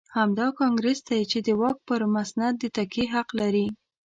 همدا کانګرېس دی چې د واک پر مسند د تکیې حق لري.